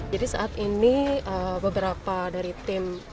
jadi saat ini beberapa dari tim satuan